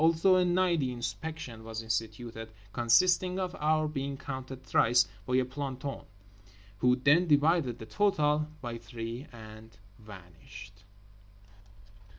Also a nightly inspection was instituted; consisting of our being counted thrice by a planton, who then divided the total by three and vanished.